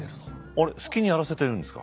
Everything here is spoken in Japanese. あれ好きにやらせてるんですか。